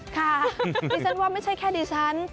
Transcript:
ค่ะดิฉันว่าไม่ใช่แค่ดิฉัน